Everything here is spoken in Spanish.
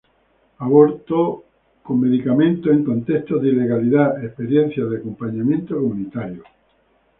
Aborto con medicamentos en contextos de ilegalidad: experiencias de acompañamiento comunitario".